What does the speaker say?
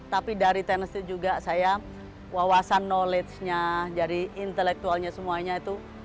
tapi dari tenis itu juga saya wawasan knowledge nya jadi intelektualnya semuanya itu